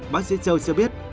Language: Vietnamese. bác sĩ châu cho biết